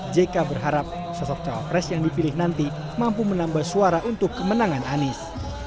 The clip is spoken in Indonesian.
jk berharap sosok cawapres yang dipilih nanti mampu menambah suara untuk kemenangan anies